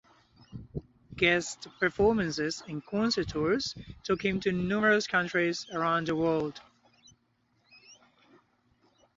Guest performances and concert tours took him to numerous countries around the world.